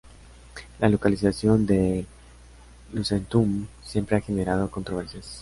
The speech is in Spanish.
La localización de Lucentum siempre ha generado controversias.